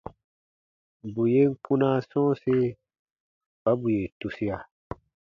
Bù yen kpunaa sɔ̃ɔsi kpa bù yè tusia.